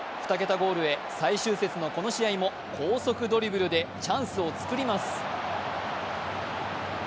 ２桁ゴールへ最終節のこの試合も高速ドリブルでチャンスを作ります。